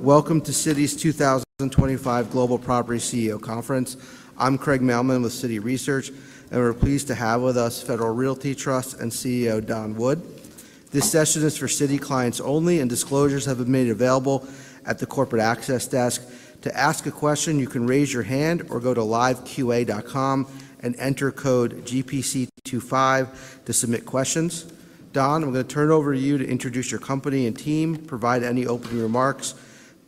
Welcome to Citi 2025 Global Property CEO Conference. I'm Craig Mailman with Citi Research, and we're pleased to have with us Federal Realty Trust and CEO Don Wood. This session is for Citi clients only, and disclosures have been made available at the corporate access desk. To ask a question, you can raise your hand or go to live.qa.com and enter code GPC25 to submit questions. Don, I'm going to turn it over to you to introduce your company and team, provide any opening remarks,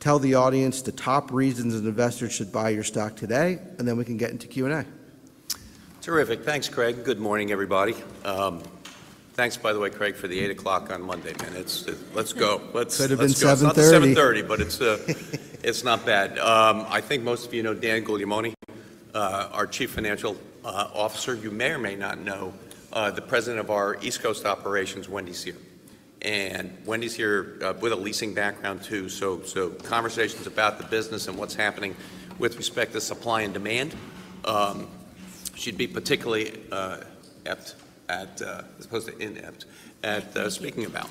tell the audience the top reasons investors should buy your stock today, and then we can get into Q&A. Terrific. Thanks, Craig. Good morning, everybody. Thanks, by the way, Craig, for the 8:00 A.M. on Monday morning. Let's go. Let's start. Could have been 7:30A.M. A.M., but it's not bad. I think most of you know Dan Guglielmone, our Chief Financial Officer. You may or may not know the President of our East Coast Operations, Wendy Seher. And Wendy's here with a leasing background, too, so conversations about the business and what's happening with respect to supply and demand should be particularly apt as opposed to inept at speaking about.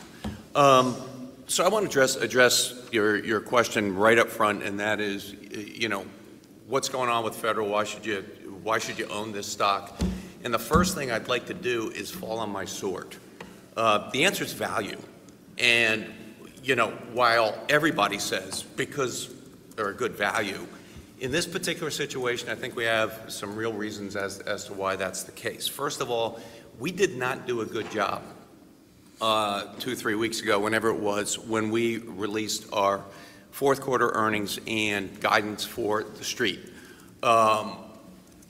So I want to address your question right up front, and that is, what's going on with Federal? Why should you own this stock? And the first thing I'd like to do is fall on my sword. The answer is value. And while everybody says because they're a good value, in this particular situation, I think we have some real reasons as to why that's the case. First of all, we did not do a good job two, three weeks ago, whenever it was, when we released our fourth quarter earnings and guidance for the street.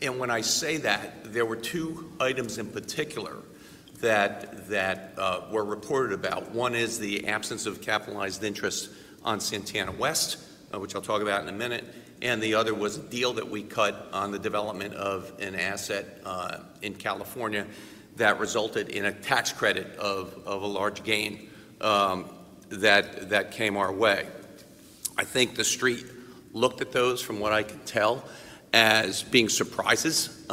And when I say that, there were two items in particular that were reported about. One is the absence of capitalized interest on Santana West, which I'll talk about in a minute. And the other was a deal that we cut on the development of an asset in California that resulted in a tax credit of a large gain that came our way. I think the street looked at those, from what I can tell, as being surprises.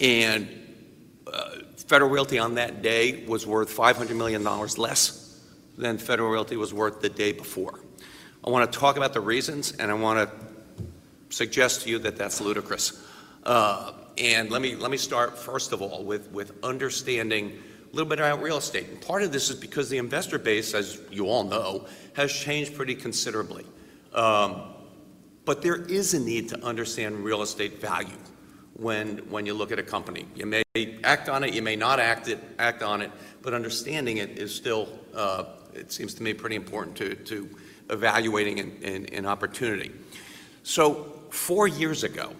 And Federal Realty on that day was worth $500 million less than Federal Realty was worth the day before. I want to talk about the reasons, and I want to suggest to you that that's ludicrous. And let me start, first of all, with understanding a little bit about real estate. And part of this is because the investor base, as you all know, has changed pretty considerably. But there is a need to understand real estate value when you look at a company. You may act on it, you may not act on it, but understanding it is still, it seems to me, pretty important to evaluating an opportunity. So four years ago,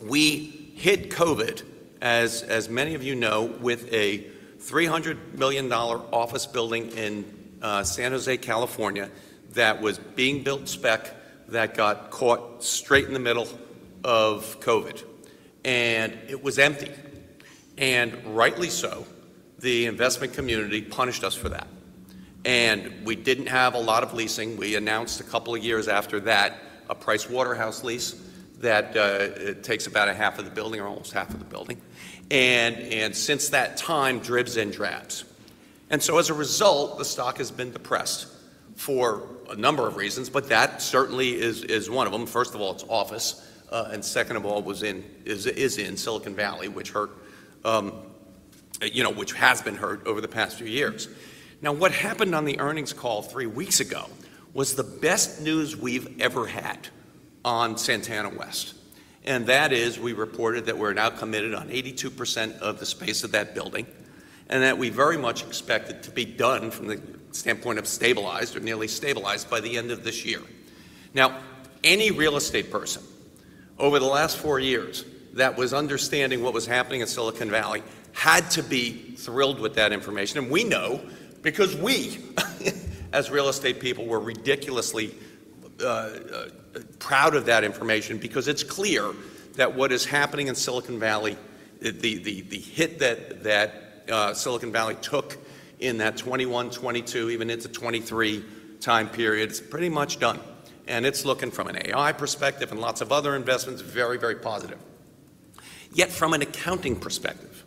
we hit COVID, as many of you know, with a $300 million office building in San Jose, California, that was being built spec that got caught straight in the middle of COVID. And it was empty. And rightly so, the investment community punished us for that. And we didn't have a lot of leasing. We announced a couple of years after that a Price Waterhouse lease that takes about half of the building or almost half of the building. And since that time, dribs and drabs. And so as a result, the stock has been depressed for a number of reasons, but that certainly is one of them. First of all, it's office. And second of all, it is in Silicon Valley, which has been hurt over the past few years. Now, what happened on the earnings call three weeks ago was the best news we've ever had on Santana West. And that is we reported that we're now committed on 82% of the space of that building and that we very much expect it to be done from the standpoint of stabilized or nearly stabilized by the end of this year. Now, any real estate person over the last four years that was understanding what was happening in Silicon Valley had to be thrilled with that information. And we know because we, as real estate people, were ridiculously proud of that information because it's clear that what is happening in Silicon Valley, the hit that Silicon Valley took in that 2021, 2022, even into 2023 time period, it's pretty much done. And it's looking from an AI perspective and lots of other investments very, very positive. Yet from an accounting perspective,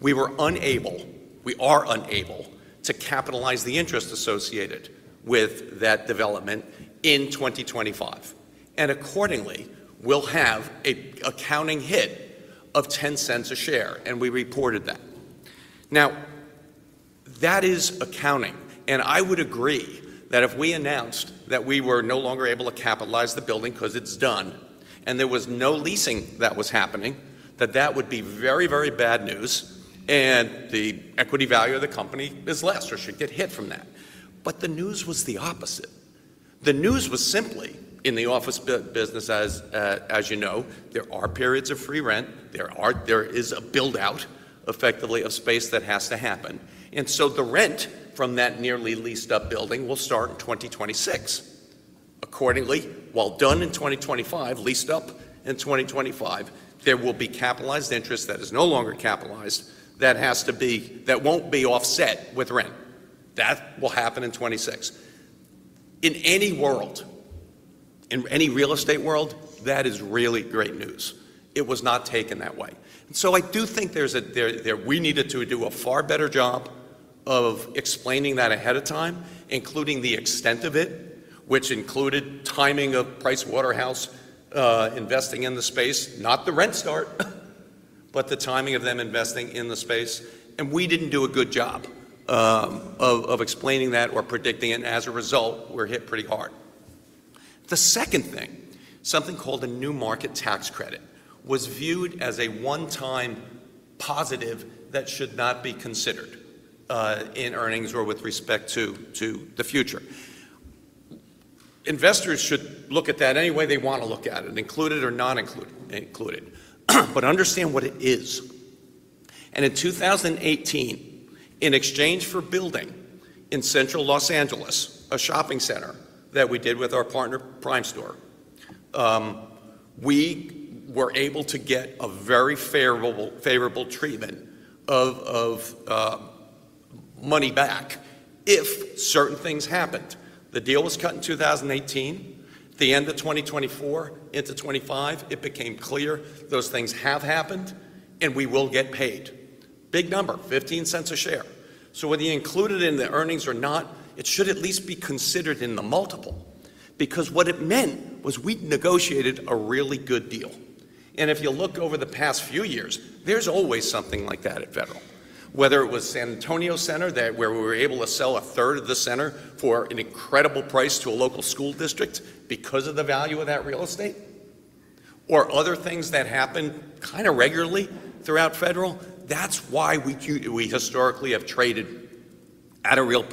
we were unable, we are unable to capitalize the interest associated with that development in 2025. And accordingly, we'll have an accounting hit of $0.10 a share, and we reported that. Now, that is accounting. And I would agree that if we announced that we were no longer able to capitalize the building because it's done and there was no leasing that was happening, that that would be very, very bad news. And the equity value of the company is less or should get hit from that. But the news was the opposite. The news was simply in the office business, as you know, there are periods of free rent. There is a build-out effectively of space that has to happen. And so the rent from that nearly leased-up building will start in 2026. Accordingly, while done in 2025, leased up in 2025, there will be capitalized interest that is no longer capitalized that won't be offset with rent. That will happen in 2026. In any world, in any real estate world, that is really great news. It was not taken that way. I do think we needed to do a far better job of explaining that ahead of time, including the extent of it, which included timing of Price Waterhouse investing in the space, not the rent start, but the timing of them investing in the space. We didn't do a good job of explaining that or predicting it. As a result, we're hit pretty hard. The second thing, something called a new market tax credit, was viewed as a one-time positive that should not be considered in earnings or with respect to the future. Investors should look at that any way they want to look at it, included or not included, but understand what it is.In 2018, in exchange for building in Central Los Angeles a shopping center that we did with our partner Primestor, we were able to get a very favorable treatment of money back if certain things happened. The deal was cut in 2018. The end of 2024 into 2025, it became clear those things have happened and we will get paid. Big number, $0.15 a share. Whether you include it in the earnings or not, it should at least be considered in the multiple because what it meant was we negotiated a really good deal. And if you look over the past few years, there's always something like that at Federal, whether it was San Antonio Center where we were able to sell 1/3 of the center for an incredible price to a local school district because of the value of that real estate or other things that happened kind of regularly throughout Federal. That's why we historically have traded at a real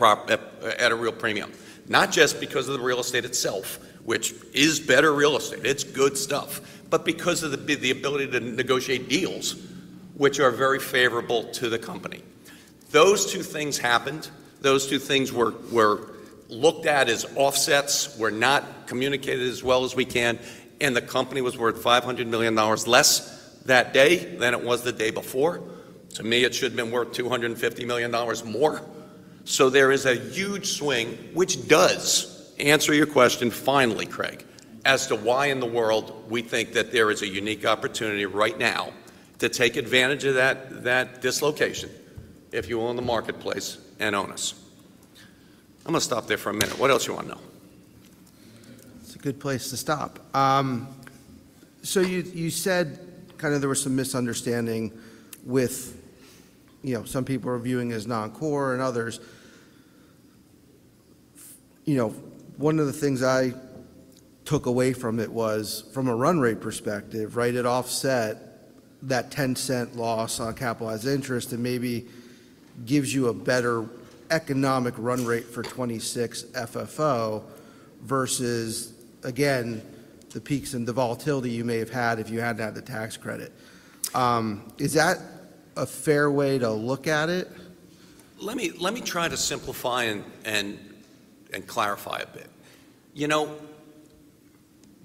premium, not just because of the real estate itself, which is better real estate. It's good stuff, but because of the ability to negotiate deals, which are very favorable to the company. Those two things happened. Those two things were looked at as offsets. We're not communicated as well as we can. And the company was worth $500 million less that day than it was the day before. To me, it should have been worth $250 million more. So there is a huge swing, which does answer your question finally, Craig, as to why in the world we think that there is a unique opportunity right now to take advantage of that dislocation if you own the marketplace and own us. I'm going to stop there for a minute. What else do you want to know? It's a good place to stop, so you said kind of there was some misunderstanding with some people viewing as non-core and others. One of the things I took away from it was from a run rate perspective, right? It offset that $0.10 loss on capitalized interest and maybe gives you a better economic run rate for 2026 FFO versus, again, the peaks and the volatility you may have had if you hadn't had the tax credit. Is that a fair way to look at it? Let me try to simplify and clarify a bit.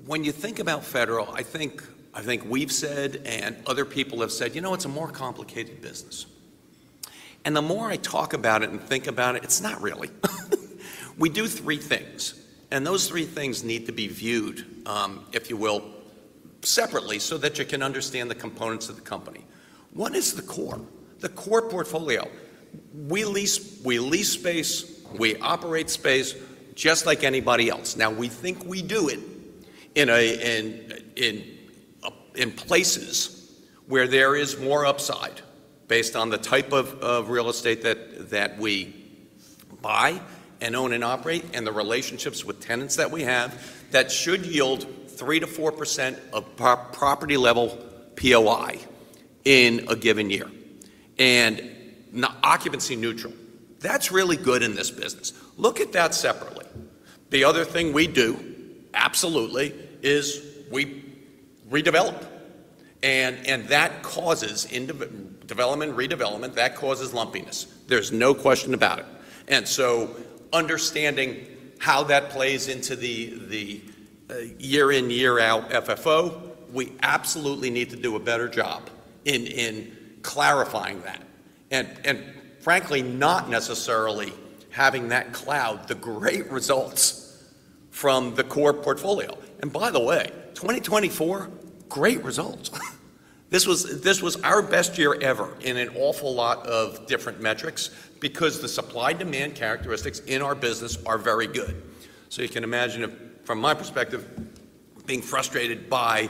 When you think about Federal, I think we've said and other people have said, you know, it's a more complicated business. And the more I talk about it and think about it, it's not really. We do three things. And those three things need to be viewed, if you will, separately so that you can understand the components of the company. One is the core, the core portfolio. We lease space. We operate space just like anybody else. Now, we think we do it in places where there is more upside based on the type of real estate that we buy and own and operate and the relationships with tenants that we have that should yield 3%-4% of property level POI in a given year and occupancy neutral. That's really good in this business. Look at that separately. The other thing we do absolutely is we redevelop. And that causes development, redevelopment, that causes lumpiness. There's no question about it. And so understanding how that plays into the year-in-year-out FFO, we absolutely need to do a better job in clarifying that and frankly, not necessarily having that cloud the great results from the core portfolio. And by the way, 2024, great results. This was our best year ever in an awful lot of different metrics because the supply-demand characteristics in our business are very good. So you can imagine from my perspective being frustrated by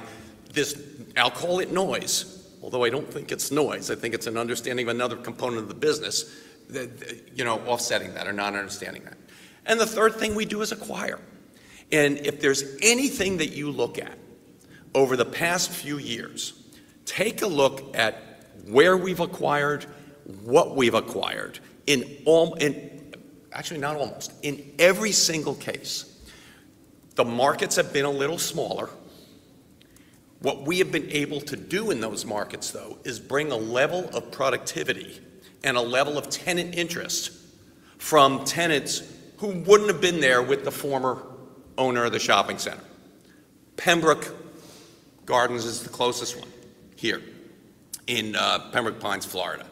this, I'll call it noise, although I don't think it's noise. I think it's an understanding of another component of the business offsetting that or not understanding that. And the third thing we do is acquire. If there's anything that you look at over the past few years, take a look at where we've acquired, what we've acquired in actually not almost, in every single case. The markets have been a little smaller. What we have been able to do in those markets, though, is bring a level of productivity and a level of tenant interest from tenants who wouldn't have been there with the former owner of the shopping center. Pembroke Gardens is the closest one here in Pembroke Pines, Florida.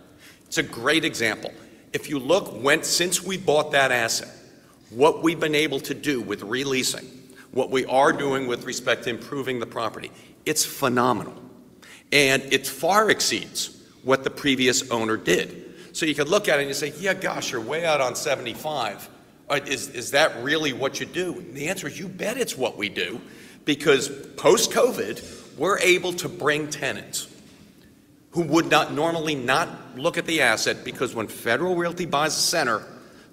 It's a great example. If you look since we bought that asset, what we've been able to do with releasing, what we are doing with respect to improving the property, it's phenomenal, and it far exceeds what the previous owner did, so you can look at it and you say, "Yeah, gosh, you're way out on '75." Is that really what you do? And the answer is you bet. It's what we do because post-COVID, we're able to bring tenants who would normally not look at the asset because when Federal Realty buys a center,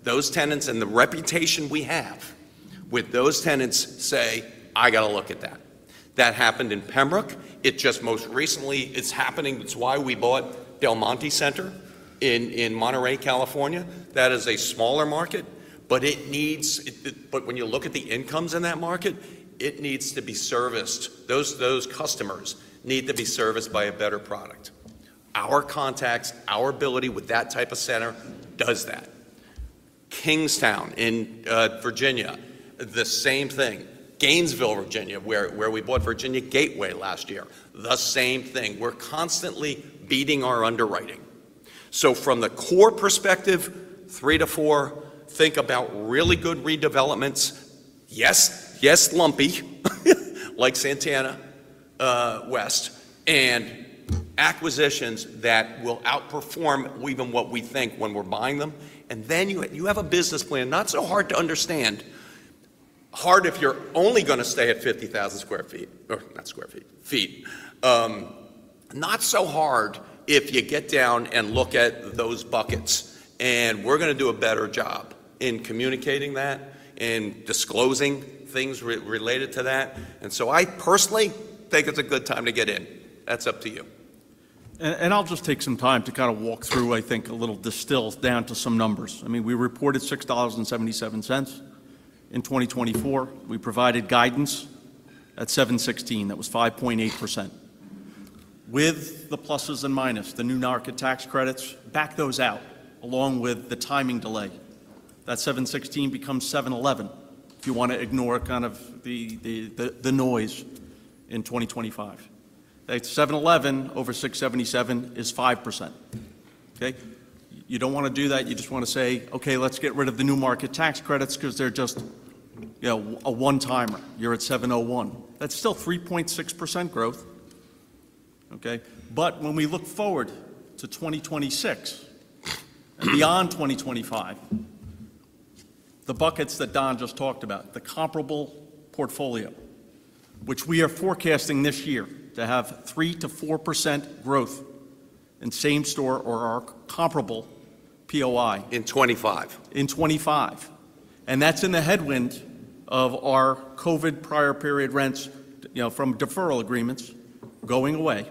those tenants and the reputation we have with those tenants say, "I got to look at that." That happened in Pembroke. It just most recently is happening. It's why we bought Del Monte Center in Monterey, California. That is a smaller market, but when you look at the incomes in that market, it needs to be serviced. Those customers need to be serviced by a better product. Our contacts, our ability with that type of center does that. Kingstowne in Virginia, the same thing. Gainesville, Virginia, where we bought Virginia Gateway last year, the same thing. We're constantly beating our underwriting. So from the core perspective, three to four, think about really good redevelopments. Yes, yes, lumpy like Santana West and acquisitions that will outperform even what we think when we're buying them. And then you have a business plan not so hard to understand, hard if you're only going to stay at 50,000 sq ft or not square feet, feet. Not so hard if you get down and look at those buckets. And we're going to do a better job in communicating that and disclosing things related to that. And so I personally think it's a good time to get in. That's up to you. And I'll just take some time to kind of walk through, I think, a little distilled down to some numbers. I mean, we reported $6.77 in 2024. We provided guidance at $7.16. That was 5.8%. With the pluses and minuses, the new market tax credits, back those out along with the timing delay. That $7.16 becomes $7.11 if you want to ignore kind of the noise in 2025. That $7.11 over $6.77 is 5%. Okay? You don't want to do that. You just want to say, "Okay, let's get rid of the new market tax credits because they're just a one-timer." You're at $7.01. That's still 3.6% growth. Okay? But when we look forward to 2026 and beyond 2025, the buckets that Don just talked about, the comparable portfolio, which we are forecasting this year to have 3%-4% growth in same store or our comparable POI. In '25. In 2025 and that's in the headwind of our COVID prior period rents from deferral agreements going away.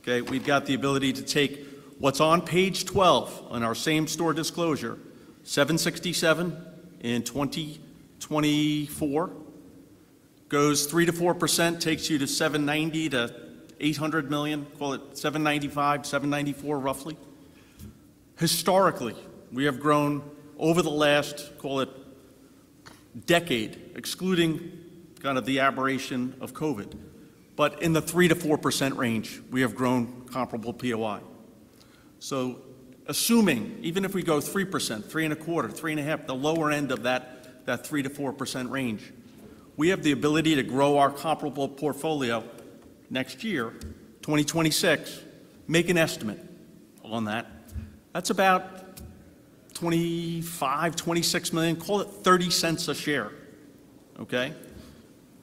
Okay? We've got the ability to take what's on page 12 on our same store disclosure, $767 million in 2024, goes 3%-4%, takes you to $790 million-$800 million, call it $795 million, $794 million roughly. Historically, we have grown over the last, call it decade, excluding kind of the aberration of COVID, but in the 3%-4% range, we have grown comparable POI. Assuming even if we go 3%, 3.25%, 3.55%, the lower end of that 3%-4% range, we have the ability to grow our comparable portfolio next year, 2026, make an estimate on that. That's about $25-$26 million, call it $0.30 a share. Okay?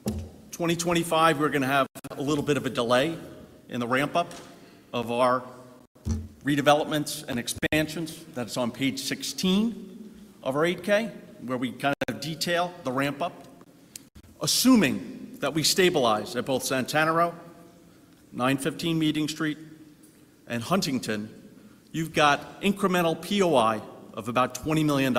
In 2025, we're going to have a little bit of a delay in the ramp-up of our redevelopments and expansions. That's on page 16 of our 8-K where we kind of detail the ramp-up. Assuming that we stabilize at both Santana Row, 915 Meeting Street, and Huntington, you've got incremental POI of about $20 million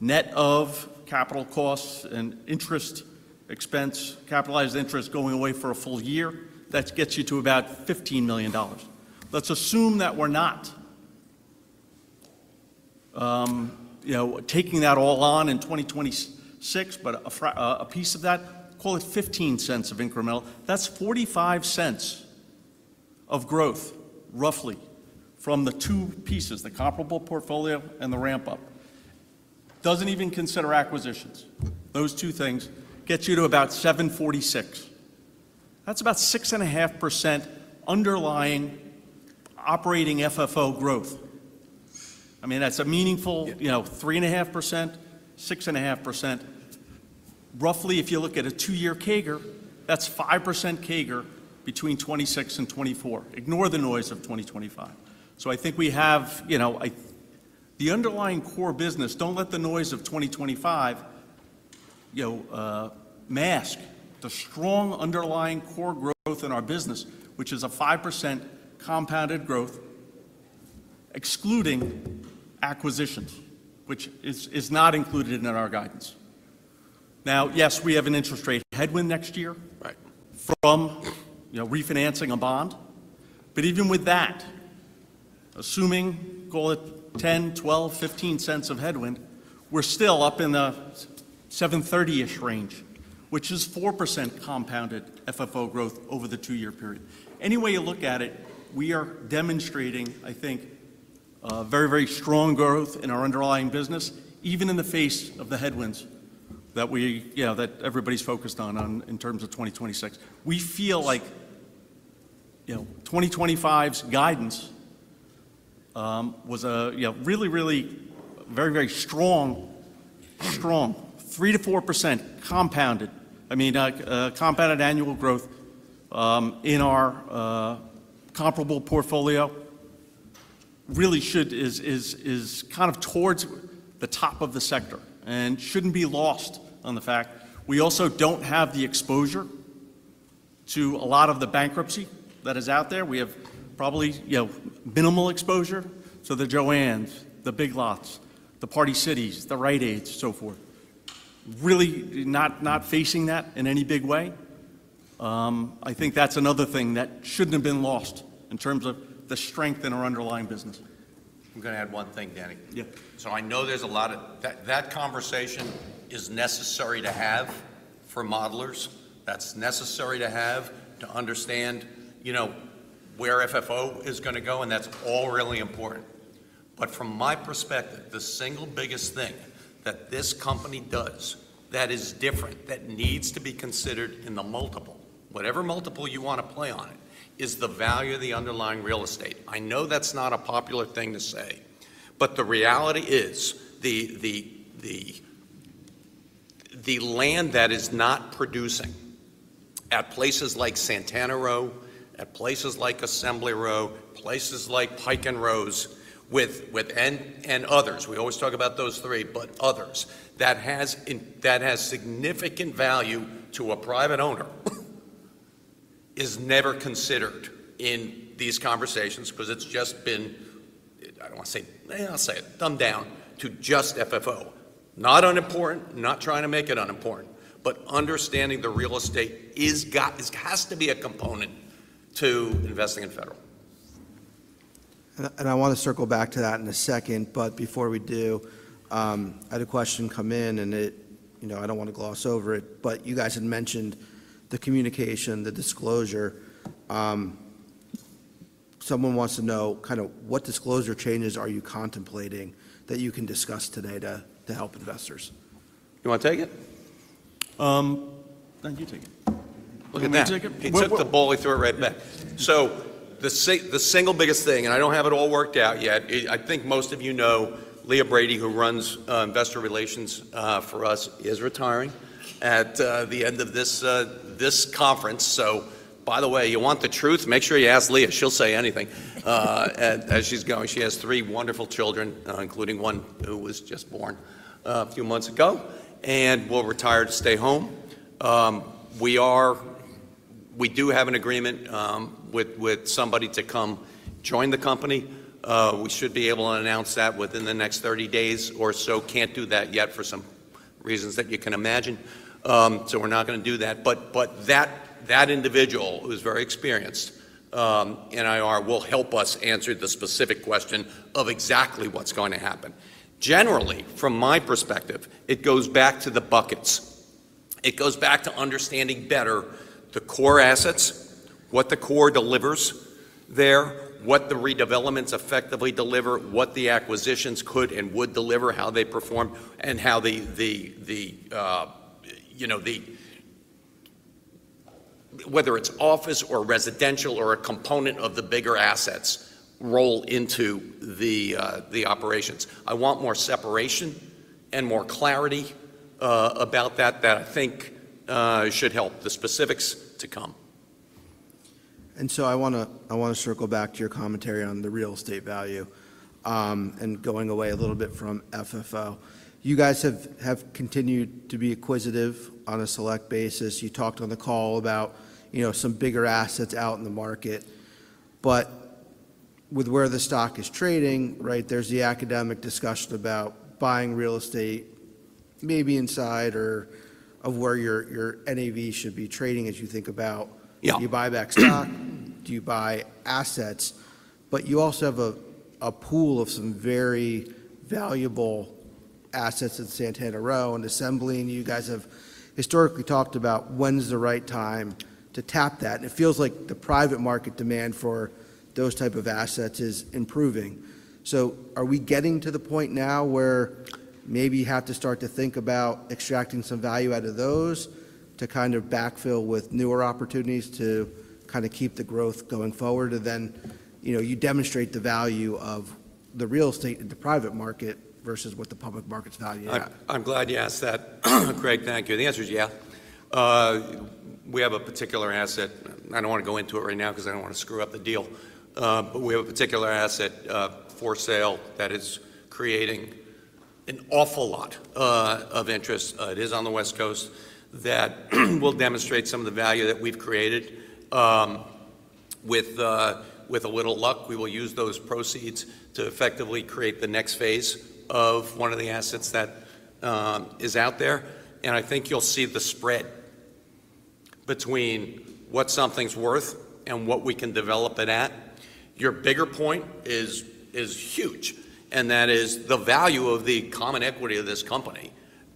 net of capital costs and interest expense, capitalized interest going away for a full year. That gets you to about $15 million. Let's assume that we're not taking that all on in 2026, but a piece of that, call it $0.15 of incremental. That's $0.45 of growth roughly from the two pieces, the comparable portfolio and the ramp-up. Doesn't even consider acquisitions. Those two things get you to about $7.46. That's about 6.5% underlying operating FFO growth. I mean, that's a meaningful 3.5%-6.5%. Roughly, if you look at a two-year CAGR, that's 5% CAGR between 2026 and 2024. Ignore the noise of 2025. So I think we have the underlying core business. Don't let the noise of 2025 mask the strong underlying core growth in our business, which is a 5% compounded growth, excluding acquisitions, which is not included in our guidance. Now, yes, we have an interest rate headwind next year from refinancing a bond. But even with that, assuming, call it $0.10, $0.12, $0.15 of headwind, we're still up in the $7.30-ish range, which is 4% compounded FFO growth over the two-year period. Any way you look at it, we are demonstrating, I think, very, very strong growth in our underlying business, even in the face of the headwinds that everybody's focused on in terms of 2026. We feel like 2025's guidance was really, really very, very strong, strong 3%-4% compounded. I mean, compounded annual growth in our comparable portfolio really should be kind of towards the top of the sector and shouldn't be lost on the fact. We also don't have the exposure to a lot of the bankruptcy that is out there. We have probably minimal exposure to the Joann, the Big Lots, the Party City, the Rite Aid, so forth. Really not facing that in any big way. I think that's another thing that shouldn't have been lost in terms of the strength in our underlying business. I'm going to add one thing, Danny. Yeah. So I know there's a lot of that conversation is necessary to have for modelers. That's necessary to have to understand where FFO is going to go. And that's all really important. But from my perspective, the single biggest thing that this company does that is different that needs to be considered in the multiple, whatever multiple you want to play on it, is the value of the underlying real estate. I know that's not a popular thing to say, but the reality is the land that is not producing at places like Santana Row, at places like Assembly Row, places like Pike & Rose and others. We always talk about those three, but others that has significant value to a private owner is never considered in these conversations because it's just been, I don't want to say, I'll say it, dumbed down to just FFO.Not unimportant, not trying to make it unimportant, but understanding the real estate has to be a component to investing in Federal. And I want to circle back to that in a second. But before we do, I had a question come in, and I don't want to gloss over it, but you guys had mentioned the communication, the disclosure. Someone wants to know kind of what disclosure changes are you contemplating that you can discuss today to help investors? You want to take it? Thank you, you take it. Look at that. Please, with the baloney, throw it right back. So the single biggest thing, and I don't have it all worked out yet. I think most of you know Leah Brady, who runs investor relations for us, is retiring at the end of this conference. So by the way, you want the truth, make sure you ask Leah. She'll say anything as she's going. She has three wonderful children, including one who was just born a few months ago and will retire to stay home. We do have an agreement with somebody to come join the company. We should be able to announce that within the next 30 days or so. Can't do that yet for some reasons that you can imagine. So we're not going to do that. But that individual who's very experienced in IR will help us answer the specific question of exactly what's going to happen. Generally, from my perspective, it goes back to the buckets. It goes back to understanding better the core assets, what the core delivers there, what the redevelopments effectively deliver, what the acquisitions could and would deliver, how they perform, and whether it's office or residential or a component of the bigger assets roll into the operations. I want more separation and more clarity about that I think should help the specifics to come. And so, I want to circle back to your commentary on the real estate value and going away a little bit from FFO. You guys have continued to be acquisitive on a select basis. You talked on the call about some bigger assets out in the market. But with where the stock is trading, right, there's the academic discussion about buying real estate maybe inside or of where your NAV should be trading as you think about, do you buy back stock, do you buy assets? But you also have a pool of some very valuable assets in Santana Row, in Assembly Row. And you guys have historically talked about when's the right time to tap that. And it feels like the private market demand for those types of assets is improving. So are we getting to the point now where maybe you have to start to think about extracting some value out of those to kind of backfill with newer opportunities to kind of keep the growth going forward? And then you demonstrate the value of the real estate in the private market versus what the public market's value is. I'm glad you asked that, Greg. Thank you. The answer is yeah. We have a particular asset. I don't want to go into it right now because I don't want to screw up the deal. But we have a particular asset for sale that is creating an awful lot of interest. It is on the West Coast that will demonstrate some of the value that we've created. With a little luck, we will use those proceeds to effectively create the next phase of one of the assets that is out there. And I think you'll see the spread between what something's worth and what we can develop it at. Your bigger point is huge. And that is the value of the common equity of this company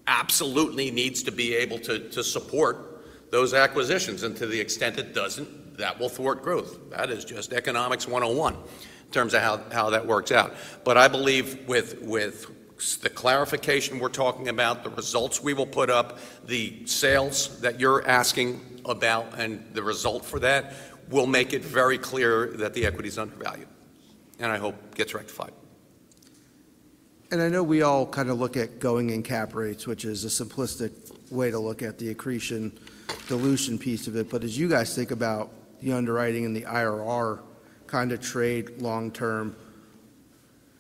absolutely needs to be able to support those acquisitions. And to the extent it doesn't, that will thwart growth. That is just economics 101 in terms of how that works out. But I believe with the clarification we're talking about, the results we will put up, the sales that you're asking about, and the result for that will make it very clear that the equity is undervalued. And I hope gets rectified. I know we all kind of look at going in cap rates, which is a simplistic way to look at the accretion dilution piece of it, but as you guys think about the underwriting and the IRR kind of trade long term,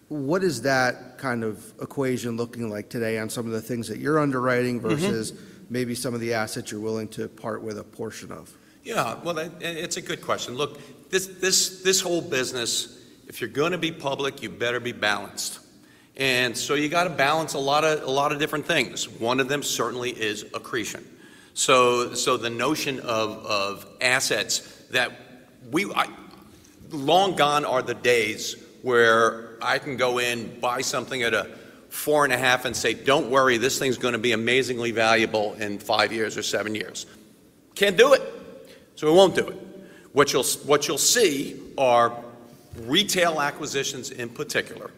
what is that kind of equation looking like today on some of the things that you're underwriting versus maybe some of the assets you're willing to part with a portion of? Yeah. Well, it's a good question. Look, this whole business, if you're going to be public, you better be balanced. And so you got to balance a lot of different things. One of them certainly is accretion. So the notion of assets that long gone are the days where I can go in, buy something at a 4.5 and say, "Don't worry, this thing's going to be amazingly valuable in five years or seven years." Can't do it. So we won't do it. What you'll see are retail acquisitions in particular.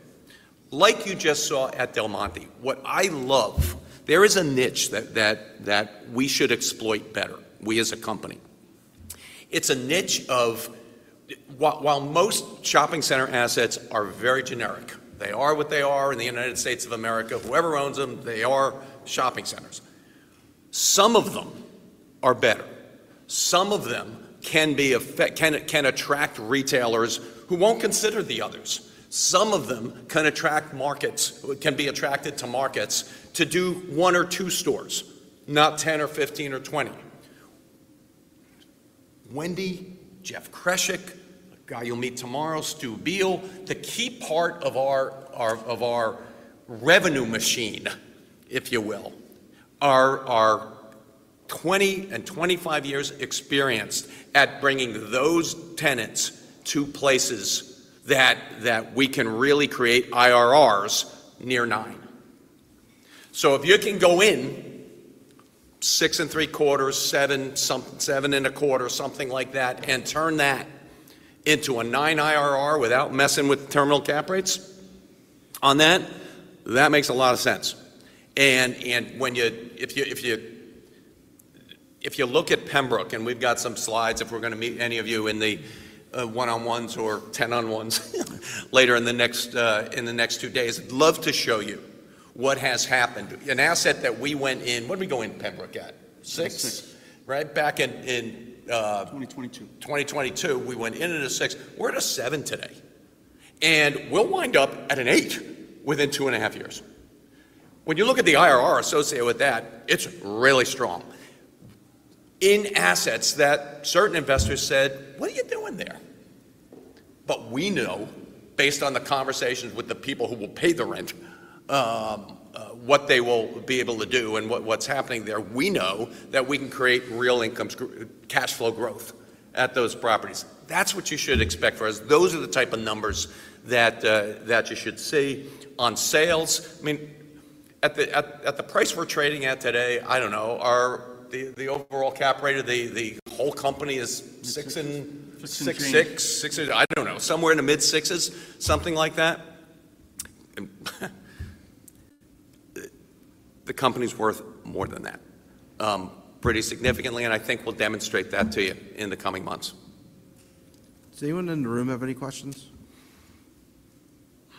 Like you just saw at Del Monte, what I love, there is a niche that we should exploit better, we as a company. It's a niche of while most shopping center assets are very generic. They are what they are in the United States of America. Whoever owns them, they are shopping centers. Some of them are better. Some of them can attract retailers who won't consider the others. Some of them can be attracted to markets to do one or two stores, not 10 or 15 or 20. Wendy, Jeff Kreshek, a guy you'll meet tomorrow, Stu Biel, the key part of our revenue machine, if you will, are 20 and 25 years experienced at bringing those tenants to places that we can really create IRRs near 9. So if you can go in 6.75, 7.25, something like that, and turn that into a 9 IRR without messing with terminal cap rates on that, that makes a lot of sense. And if you look at Pembroke, and we've got some slides if we're going to meet any of you in the one-on-ones or 10-on-ones later in the next two days, I'd love to show you what has happened. An asset that we went in, what did we go in Pembroke at? Six? Right back in. 2022. 2022, we went in at a six. We're at a seven today. And we'll wind up at an eight within two and a half years. When you look at the IRR associated with that, it's really strong. In assets that certain investors said, "What are you doing there?" But we know, based on the conversations with the people who will pay the rent, what they will be able to do and what's happening there, we know that we can create real income, cash flow growth at those properties. That's what you should expect for us. Those are the type of numbers that you should see. On sales, I mean, at the price we're trading at today, I don't know, the overall cap rate, the whole company is six and. Six. Six. I don't know, somewhere in the mid-sixes, something like that. The company's worth more than that, pretty significantly. And I think we'll demonstrate that to you in the coming months. Does anyone in the room have any questions?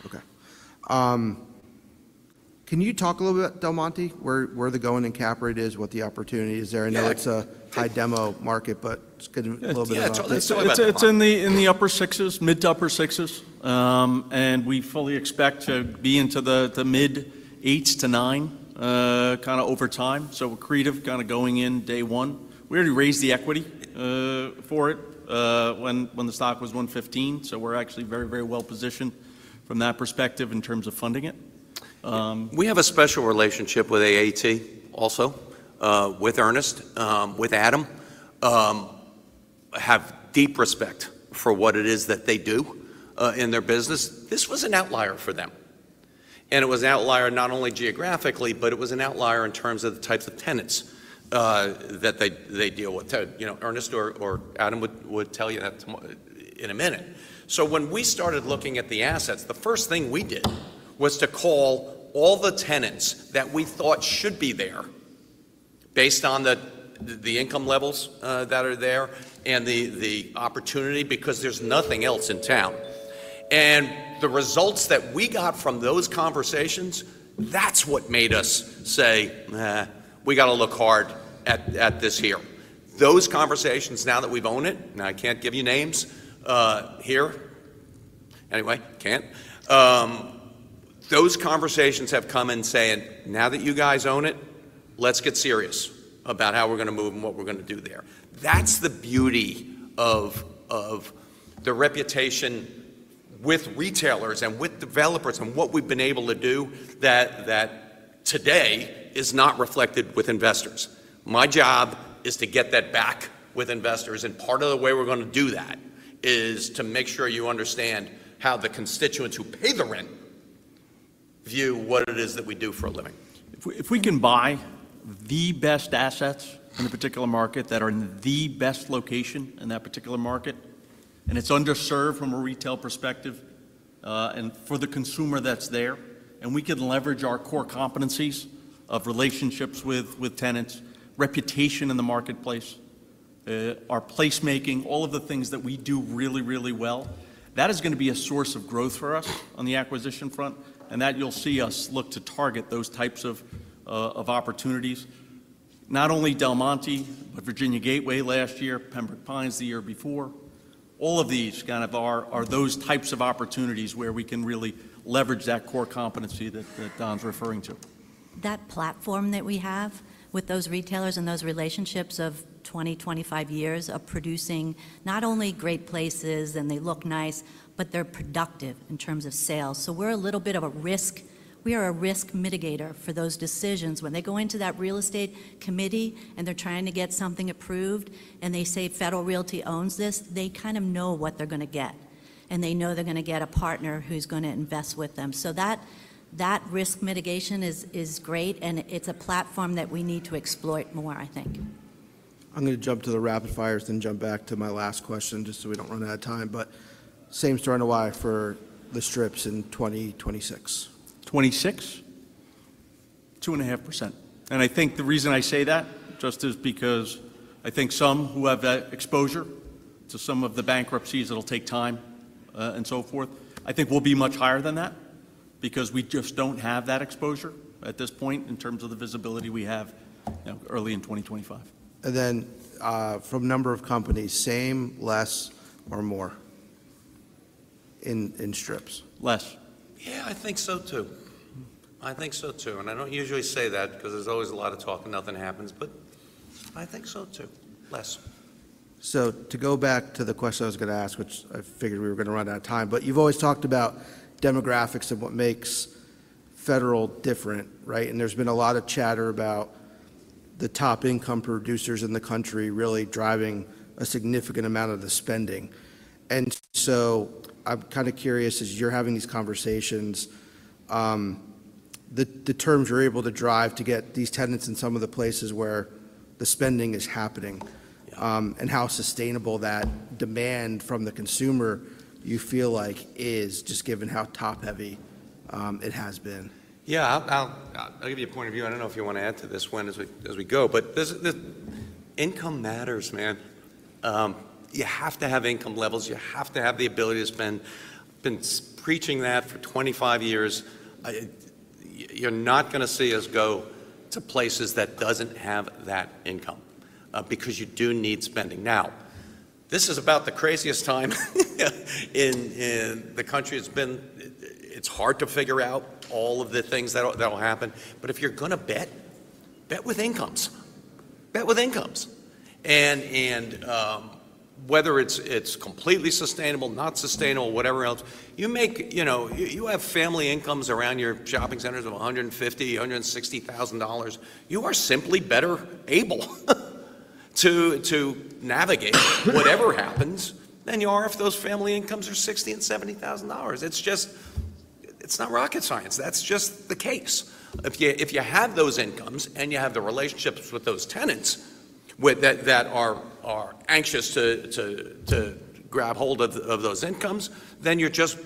Okay. Can you talk a little bit about Del Monte? Where are they going in cap rate is, what the opportunity is there? I know it's a high demo market, but it's getting a little bit of. It's in the upper sixes, mid- to upper sixes. And we fully expect to be into the mid-eight to nine kind of over time. So we're creative kind of going in day one. We already raised the equity for it when the stock was $115. So we're actually very, very well positioned from that perspective in terms of funding it. We have a special relationship with AAT also, with Ernest, with Adam. I have deep respect for what it is that they do in their business. This was an outlier for them, and it was an outlier not only geographically, but it was an outlier in terms of the types of tenants that they deal with. Ernest or Adam would tell you that in a minute, so when we started looking at the assets, the first thing we did was to call all the tenants that we thought should be there based on the income levels that are there and the opportunity because there's nothing else in town, and the results that we got from those conversations, that's what made us say, "We got to look hard at this here." Those conversations, now that we've owned it, now I can't give you names here. Anyway, can't. Those conversations have come in saying, "Now that you guys own it, let's get serious about how we're going to move and what we're going to do there." That's the beauty of the reputation with retailers and with developers and what we've been able to do that today is not reflected with investors. My job is to get that back with investors. And part of the way we're going to do that is to make sure you understand how the constituents who pay the rent view what it is that we do for a living. If we can buy the best assets in a particular market that are in the best location in that particular market, and it's underserved from a retail perspective and for the consumer that's there, and we can leverage our core competencies of relationships with tenants, reputation in the marketplace, our placemaking, all of the things that we do really, really well, that is going to be a source of growth for us on the acquisition front. And that you'll see us look to target those types of opportunities. Not only Del Monte, but Virginia Gateway last year, Pembroke Pines the year before. All of these kind of are those types of opportunities where we can really leverage that core competency that Don's referring to. That platform that we have with those retailers and those relationships of 20, 25 years of producing not only great places and they look nice, but they're productive in terms of sales. So we're a little bit of a risk. We are a risk mitigator for those decisions. When they go into that real estate committee and they're trying to get something approved and they say Federal Realty owns this, they kind of know what they're going to get. And they know they're going to get a partner who's going to invest with them. So that risk mitigation is great. And it's a platform that we need to exploit more, I think. I'm going to jump to the rapid fires, then jump back to my last question just so we don't run out of time, but same story in a while for the strips in 2026. 2026? 2.5%, and I think the reason I say that just is because I think some who have that exposure to some of the bankruptcies that will take time and so forth, I think will be much higher than that because we just don't have that exposure at this point in terms of the visibility we have early in 2025. And then from number of companies, same, less, or more in strips? Less. Yeah, I think so too. I think so too. And I don't usually say that because there's always a lot of talk and nothing happens. But I think so too. Less. To go back to the question I was going to ask, which I figured we were going to run out of time. But you've always talked about demographics and what makes Federal different, right? And there's been a lot of chatter about the top income producers in the country really driving a significant amount of the spending. And so I'm kind of curious as you're having these conversations, the terms you're able to drive to get these tenants in some of the places where the spending is happening and how sustainable that demand from the consumer you feel like is just given how top-heavy it has been. Yeah. I'll give you a point of view. I don't know if you want to add to this one as we go. But income matters, man. You have to have income levels. You have to have the ability to spend. I've been preaching that for 25 years. You're not going to see us go to places that don't have that income because you do need spending. Now, this is about the craziest time in the country. It's hard to figure out all of the things that will happen. But if you're going to bet, bet with incomes. Bet with incomes. And whether it's completely sustainable, not sustainable, whatever else, you have family incomes around your shopping centers of $150,000, $160,000. You are simply better able to navigate whatever happens than you are if those family incomes are $60,000 and $70,000. It's not rocket science. That's just the case. If you have those incomes and you have the relationships with those tenants that are anxious to grab hold of those incomes, then you're just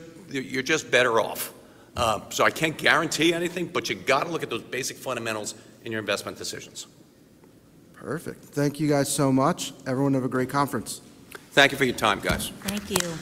better off. So I can't guarantee anything, but you got to look at those basic fundamentals in your investment decisions. Perfect. Thank you guys so much. Everyone have a great conference. Thank you for your time, guys. Thank you.